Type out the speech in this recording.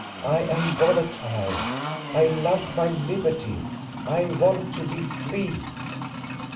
I am volatile. I love my liberty. I want to be free